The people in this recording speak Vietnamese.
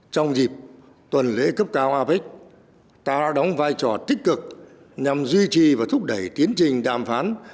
trong dịp tuần lễ cấp cao apec ta đã đóng vai trò tích cực nhằm duy trì và thúc đẩy tiến trình đàm phán